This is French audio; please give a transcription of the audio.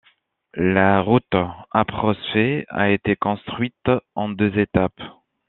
La route Aproz-Fey a été construite en deux étapes.